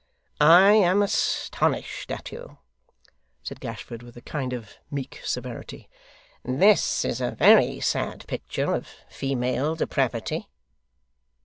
'I am astonished at you!' said Gashford, with a kind of meek severity. 'This is a very sad picture of female depravity.